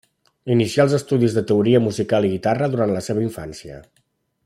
Inicià els estudis de teoria musical i guitarra durant la seva infància.